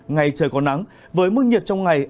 ngày trời có nắng với mức nhiệt trong ngày